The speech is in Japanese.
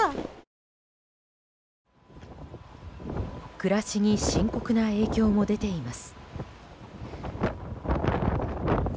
暮らしに深刻な影響も出ています。